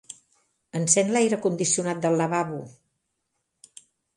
Encén l'aire condicionat del lavabo.